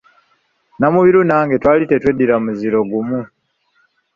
Namubiru nange twali tetweddira muziro gumu.